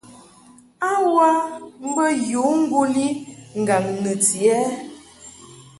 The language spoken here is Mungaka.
A wə mbə yǔ ŋguli ŋgaŋ nɨti ɛ ?